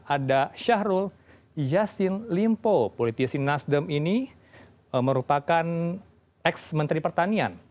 ada syahrul yassin limpo politisi nasdem ini merupakan ex menteri pertanian